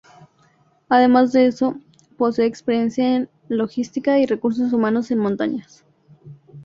Además de eso, posee experiencia en logística y recursos humanos en montañas.